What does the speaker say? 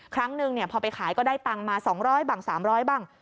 ครั้งนึงเนี่ยพอไปขายก็ได้ตังมา๒๐๐บัง๓๐๐บัง